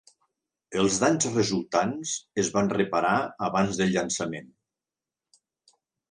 Els danys resultants es van reparar abans del llançament.